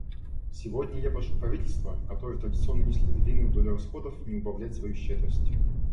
Сегодня я прошу правительства, которые традиционно несли львиную долю расходов, не убавлять свою щедрость.